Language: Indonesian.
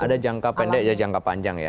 ada jangka pendek ya jangka panjang ya